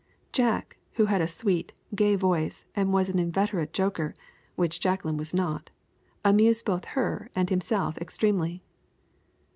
Jack, who had a sweet, gay voice, and was an inveterate joker, which Jacqueline was not, amused both her and himself extremely.